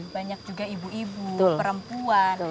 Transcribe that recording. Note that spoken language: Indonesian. banyak juga ibu ibu perempuan